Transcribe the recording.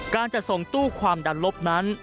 การจัดส่งตู้ความดันลบนั้น